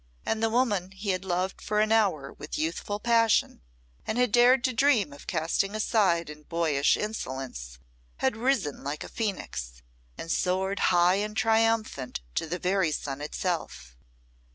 And the woman he had loved for an hour with youthful passion, and had dared to dream of casting aside in boyish insolence, had risen like a phoenix, and soared high and triumphant to the very sun itself.